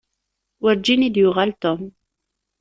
Werǧin i d-yuɣal Tom.